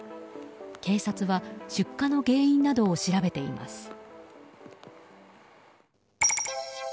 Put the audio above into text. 警察は出火の原因などを調べています。